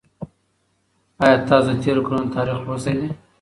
ایا تاسو د تېرو کلونو تاریخ لوستی دی؟